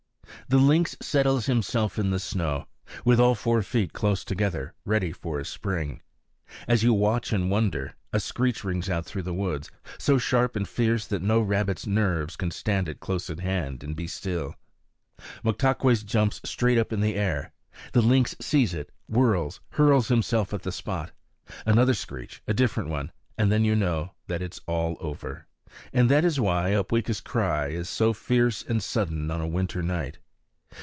The lynx settles himself in the snow, with all four feet close together, ready for a spring. As you watch and wonder, a screech rings out through the woods, so sharp and fierce that no rabbit's nerves can stand it close at hand and be still. Moktaques jumps straight up in the air. The lynx sees it, whirls, hurls himself at the spot. Another screech, a different one, and then you know that it's all over. And that is why Upweekis' cry is so fierce and sudden on a winter night.